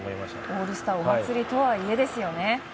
オールスターお祭りとはいえ、ですよね。